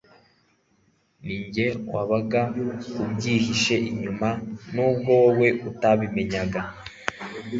ni njye wabaga abyihishe inyuma nubwo wowe utabimenyaga